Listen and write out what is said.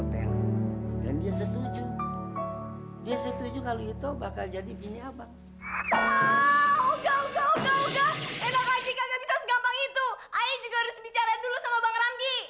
terus bicara dulu sama bang ramji